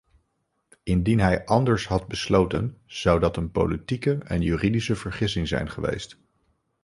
Indien hij anders had besloten, zou dat een politieke en juridische vergissing zijn geweest.